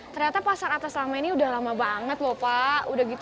ternyata pasar atas lama ini udah lama banget